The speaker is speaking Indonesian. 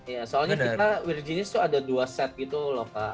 iya soalnya kita we re genius itu ada dua set gitu loh kak